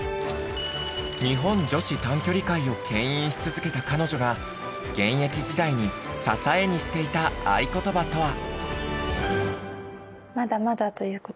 日本女子短距離界を牽引し続けた彼女が現役時代に支えにしていた愛ことばとは？